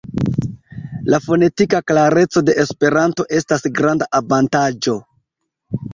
La fonetika klareco de Esperanto estas granda avantaĝo.